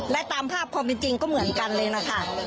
และตามภาพความเป็นจริงก็เหมือนกันเลยนะคะ